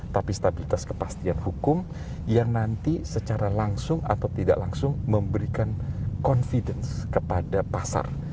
tapi stabilitas kepastian hukum yang nanti secara langsung atau tidak langsung memberikan confidence kepada pasar